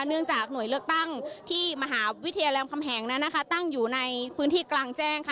เนื่องจากหน่วยเลือกตั้งที่มหาวิทยาลัยรามคำแหงนั้นนะคะตั้งอยู่ในพื้นที่กลางแจ้งค่ะ